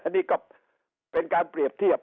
อันนี้ก็เป็นการเปรียบเทียบ